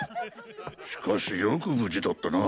しかしよく無事だったな。